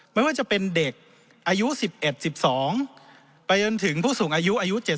ไม่ว่าจะเป็นเด็กอายุ๑๑๑๒ไปจนถึงผู้สูงอายุอายุ๗๐